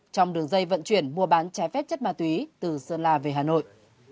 trong đường dây vận chuyển mua bán trái phép chất ma túy từ sơn la về hà nội